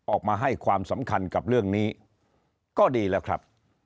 ออกมาให้ความสำคัญกับเรื่องนี้ก็ดีแล้วครับ